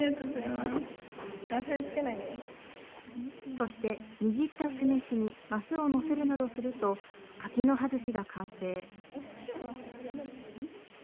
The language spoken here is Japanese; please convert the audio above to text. そして握った酢飯にマスをのせるなどすると柿の葉寿司が完成。